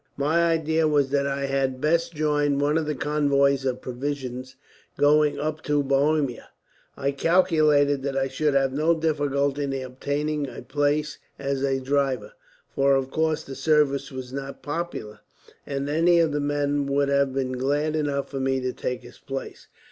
My idea was that I had best join one of the convoys of provisions going up to Bohemia. I calculated that I should have no difficulty in obtaining a place as a driver, for of course the service is not popular, and any of the men would have been glad enough for me to take his place.